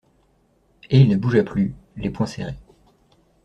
Et il ne bougea plus, les poings serrés.